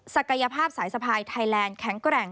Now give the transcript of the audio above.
กายภาพสายสะพายไทยแลนด์แข็งแกร่ง